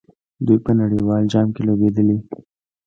دوی په نړیوال جام کې لوبېدلي.